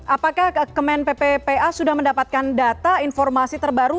apakah kementerian lembaga dan pihak sudah mendapatkan data informasi terbaru